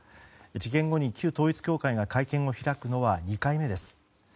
事件後に旧統一教会が会見を開くのは２回目です。